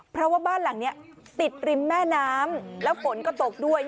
เพราะว่าบ้านหลังนี้ติดริมแม่น้ำแล้วฝนก็ตกด้วย